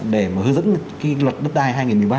để mà hướng dẫn cái luật đất đai hai nghìn một mươi ba